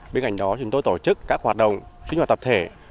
bên cạnh đó chúng tôi tổ chức các hoạt động sinh hoạt tập thể